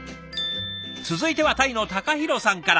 続いてはタイのたかひろさんから。